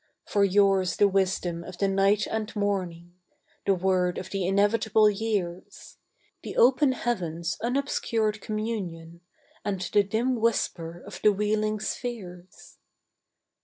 For yours the wisdom of the night and morning, The word of the inevitable years, The open Heaven's unobscured communion, And the dim whisper of the wheeling spheres.